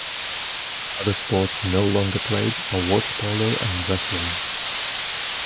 Other sports no longer played are water polo and wrestling.